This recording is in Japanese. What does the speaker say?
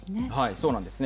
そうなんですね。